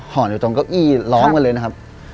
อยู่ตรงเก้าอี้ล้อมกันเลยนะครับ